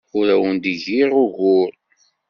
Ur awent-d-giɣ ugur.